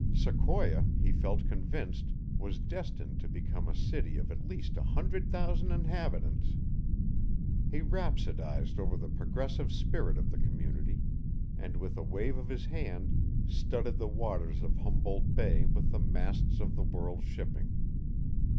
Sequoia, he felt convinced, was destined to become a city of at least a hundred thousand inhabitants; he rhapsodized over the progressive spirit of the community and with a wave of his hand studded the waters of Humboldt Bay with the masts of the world's shipping.